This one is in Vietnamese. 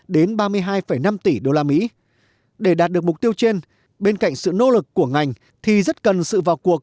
đến ba mươi hai năm tỷ usd để đạt được mục tiêu trên bên cạnh sự nỗ lực của ngành thì rất cần sự vào cuộc